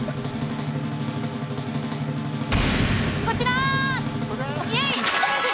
こちら！